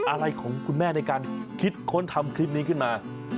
อะไรของคุณแม่ในการคิดค้นทำคลิปนี้ขึ้นมา